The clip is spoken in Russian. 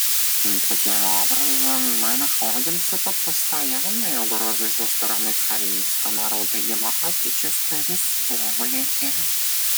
Таким образом, мы находимся под постоянной угрозой со стороны Корейской Народно-Демократической Республики.